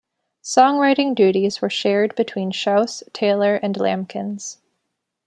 Songwriting duties were shared between Shouse, Taylor and Lamkins.